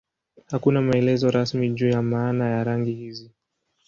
Hakuna maelezo rasmi juu ya maana ya rangi hizi.